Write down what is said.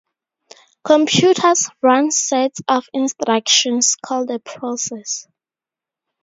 Computers run sets of instructions called a process.